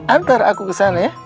antar aku ke sana